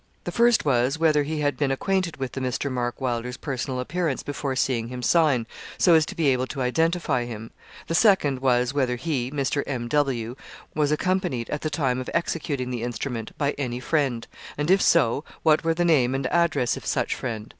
The first was, whether he had been acquainted with Mr. Mark Wylder's personal appearance before seeing him sign, so as to be able to identify him. The second was, whether he (Mr. M.W.) was accompanied, at the time of executing the instrument, by any friend; and if so, what were the name and address of such friend.